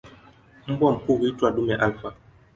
Mbwa mkuu huitwa "dume alfa".